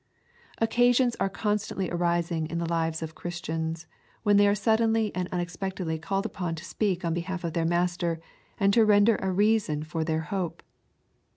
Occasions are constantly arising in the lives of Christians, when they are suddenly and unexpectedly called upon to speak on behalf of their Master, and to render a reason of their hope.